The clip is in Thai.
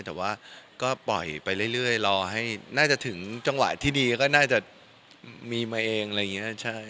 แต่ว่าก็ปล่อยไปเรื่อยรอให้น่าจะถึงจังหวะที่ดีก็น่าจะมีมาเองอะไรอย่างนี้ใช่